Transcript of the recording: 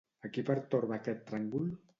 A qui pertorba aquest tràngol?